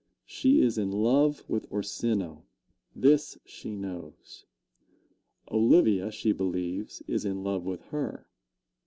She is in love with Orsino this she knows. Olivia, she believes, is in love with her.